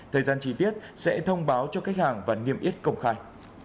thời gian chi tiết sẽ thông báo cho khách hàng và niêm yết công khai